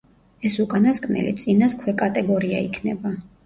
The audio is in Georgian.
ეს უკანასკნელი წინას ქვეკატეგორია იქნება.